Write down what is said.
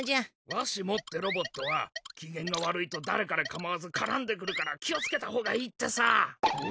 ・わしもってロボットはきげんが悪いとだれかれかまわずからんでくるから気をつけた方がいいってさ。